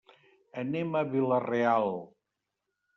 Anem a Vila-real.